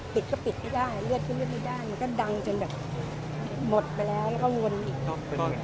ปิดก็ปิดไม่ได้เลือดก็เลือดไม่ได้มันก็ดังจนแบบหมดไปแล้วแล้วก็วนอีก